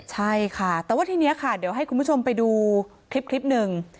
ใช่ค่ะแต่ว่าทีนี้ค่ะเดี๋ยวให้คุณผู้ชมไปดูคลิปหนึ่ง